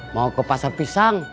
mau ke pasar pisang